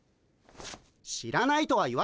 知らないとは言わせないよ。